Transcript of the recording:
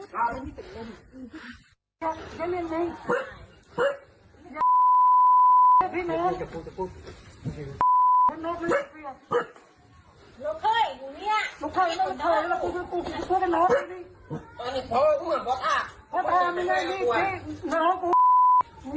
หาจะไม่รู้หนูจะกลัวไทย